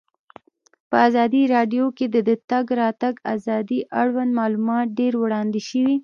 په ازادي راډیو کې د د تګ راتګ ازادي اړوند معلومات ډېر وړاندې شوي.